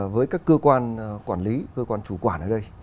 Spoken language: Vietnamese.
với các cơ quan quản lý cơ quan chủ quản ở đây